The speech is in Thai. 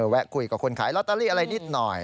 แวะคุยกับคนขายลอตเตอรี่อะไรนิดหน่อย